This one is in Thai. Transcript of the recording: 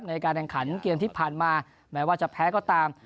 ในการแข่งขันเกมที่ผ่านมาแม้ว่าจะแพ้ก็ตาม